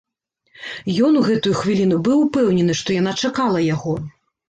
Ён у гэтую хвіліну быў упэўнены, што яна чакала яго.